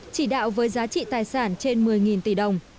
chỉ đạo với giá trị tài sản trên một mươi tỷ đồng